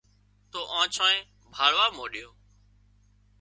تو آنڇانئي ڀاۯوا مانڏيو